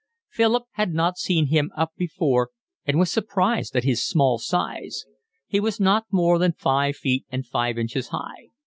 Philip had not seen him up before and was surprised at his small size; he was not more than five feet and five inches high.